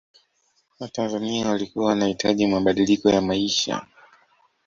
watanzania walikuwa wanahitaji mabadiliko ya maisha